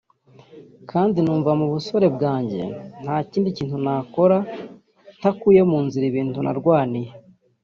kandi numva mu busore bwanjye ntakindi kintu nakora ntakuye mu nzira ibintu narwaniye